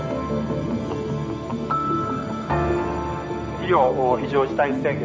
「医療非常事態宣言